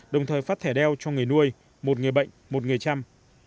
đồng thời phát thẻ đeo cho người nuôi một người bệnh một người chăm